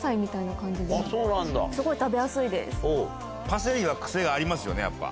パセリは癖がありますよねやっぱ。